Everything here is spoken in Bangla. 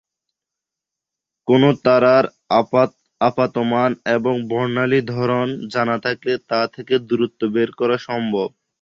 কোন তারার আপাত মান এবং বর্ণালী ধরন জানা থাকলে তা থেকে দূরত্ব বের করা সম্ভব।